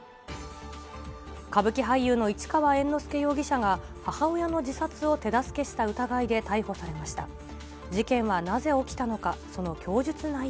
歌舞伎俳優の市川猿之助容疑者が、母親の自殺を手助けした疑いで逮ＳＯＭＰＯ当たった！